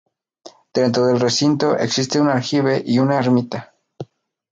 Dentro del recinto existe un aljibe y una ermita.